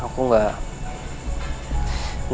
gak minta belas kasihan dari mereka